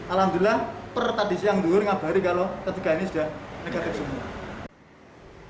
alhamdulillah per tadi siang dulu lima hari kalau ketiga ini sudah negatif semua